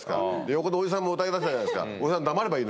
横でおじさんも歌いだしたじゃないですか。